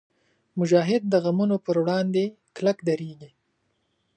مجاهد د غمونو پر وړاندې کلک درېږي.